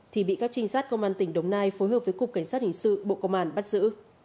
thì bị các trinh sát công an tỉnh đồng nai phối hợp với cục cảnh sát hình sự bộ công an bắt giữ